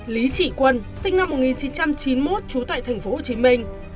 lý trị quân sinh năm một nghìn chín trăm chín mươi một trú tại thành phố hồ chí minh